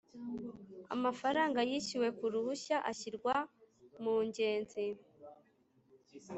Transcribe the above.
Amafaranga yishyuwe ku ruhushya ashyirwa Mungenzi